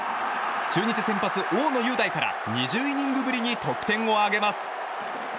中日先発、大野雄大から２０イニングぶりに得点を挙げます。